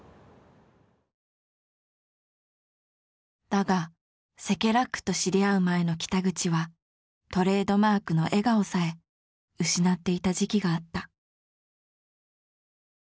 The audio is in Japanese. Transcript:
だがセケラックと知り合う前の北口はトレードマークの笑顔さえ失っていた時期があった。